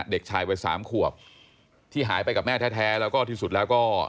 เด็กชายวัยสามขวบที่หายไปกับแม่แท้แล้วก็ที่สุดแล้วก็